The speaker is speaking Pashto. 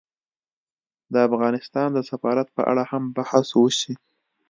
د افغانستان د سفارت په اړه هم بحث وشي